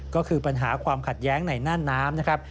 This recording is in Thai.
ก็คือปัญหาความขัดแย้งในน่านน้ำนะครับ